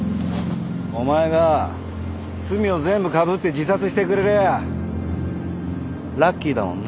お前が罪を全部かぶって自殺してくれりゃあラッキーだもんな。